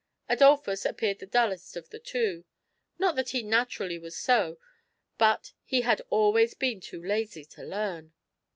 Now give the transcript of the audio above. Adolphus appeared the dullest of the two ; not that he naturally was so, but he had always been too lazy to learn.